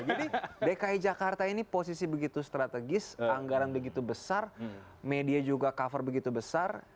jadi dki jakarta ini posisi begitu strategis anggaran begitu besar media juga cover begitu besar